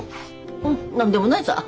うん何でもないさ。